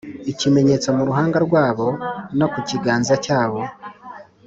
Ikimenyetso mu ruhanga rwabo no ku kiganza cyabo